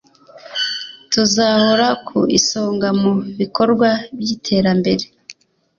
tuzahora ku isonga mu bikorwa by'iterambere.